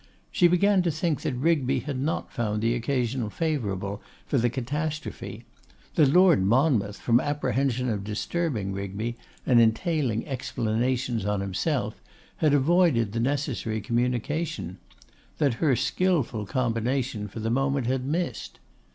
She began to think that Rigby had not found the occasion favourable for the catastrophe; that Lord Monmouth, from apprehension of disturbing Rigby and entailing explanations on himself, had avoided the necessary communication; that her skilful combination for the moment had missed.